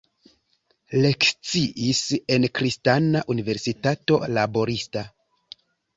Lekciis en Kristana Universitato Laborista.